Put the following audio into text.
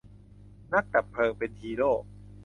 นักดับเพลิงเป็นฮีโร่